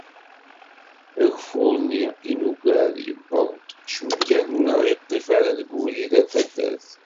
Ageffur-nni i nugad, yewweḍ-d, cwi kan ur aɣ-iṭṭif ara deg ubrid ar taddert.